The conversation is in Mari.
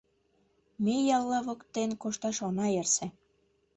Ме ялла воктен кошташ она ярсе.